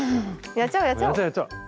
やっちゃおうやっちゃおう。